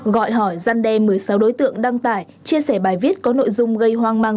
gọi hỏi gian đe một mươi sáu đối tượng đăng tải chia sẻ bài viết có nội dung gây hoang mang